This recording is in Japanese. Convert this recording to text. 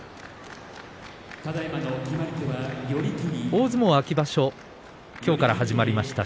大相撲秋場所きょうから始まりました。